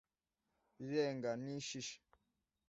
rirarenga ntishisha